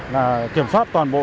là kiểm soát toàn bộ